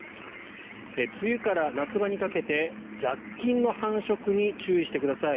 梅雨から夏場にかけて雑菌の繁殖に注意してください。